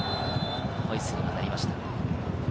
ホイッスルがなりました。